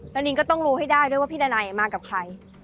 แล้วนิงก็ต้องรู้ให้ได้ด้วยว่าพี่ดานัยมากับใคร